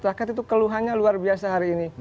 rakyat itu keluhannya luar biasa hari ini